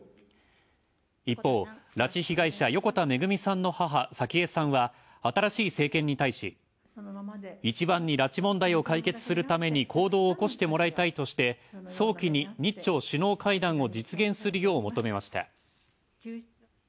一方、拉致被害者横田めぐみさんの母、早紀江さんは新しい政権に対し「一番に拉致問題を解決するために行動を起こしてもらいたい」として、早期に日朝首脳会談を実現するよう求めました。